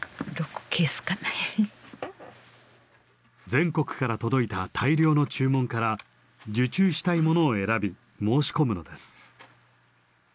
全国から届いた大量の注文から受注したいものを選び申し込むのです。